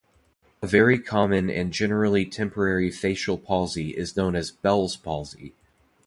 A very common and generally temporary facial palsy is known as Bell's palsy.